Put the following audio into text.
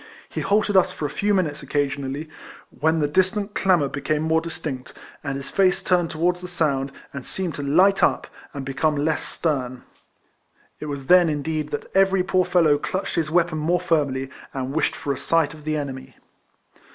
He halted us for a few minutes occasionally, when the distant clamour be came more distinct, and his face turned towards the sound, and seemed to light up, and become less stern. It was then indeed that every poor fellow clutched his weapon more firmly, and wished for a sight of the enemy.